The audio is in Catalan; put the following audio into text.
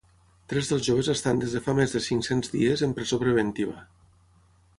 Tres dels joves estan des de fa més de cinc-cents dies en presó preventiva.